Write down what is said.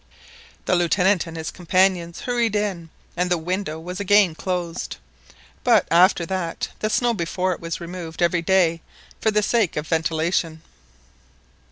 The Lieutenant and his companions hurried in, and the window was again closed; but after that the snow before it was removed every day for the sake of ventilation.